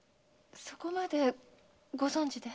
そこまでご存じで。